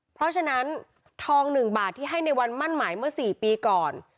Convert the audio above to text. เพราะฉะนั้นทอง๑บาทที่ให้ในวันมั่นหมายเมื่อ๔ปีก่อน